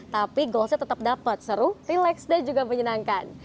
tapi goalsnya tetap dapat seru relax dan juga menyenangkan